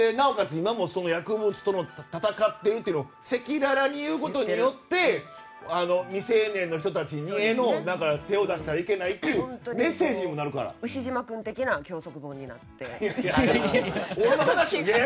今も薬物と闘っているのを赤裸々に言うことによって未成年の人たちへの手を出したらいけないという「ウシジマくん」的な教則本になって。